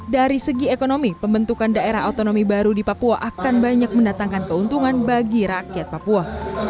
dari segi ekonomi pembentukan daerah otonomi baru di papua akan banyak mendatangkan keuntungan bagi rakyat papua